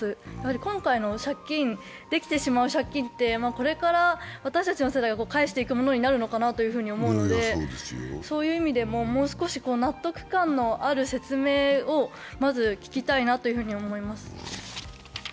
今回の借金、できてしまう借金ってこれから私たちの世代が返していくものになるのかなと思うのでそういう意味でももう少し納得感のある説明をまず聞きたいなと思います。